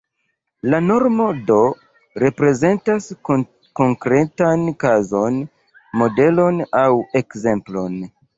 La normo, do, reprezentas konkretan kazon, modelon aŭ ekzemplon.